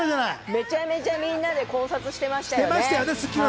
めちゃめちゃみんなで考察してましたよね。